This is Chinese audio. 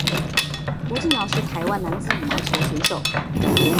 卢敬尧是台湾男子羽毛球选手。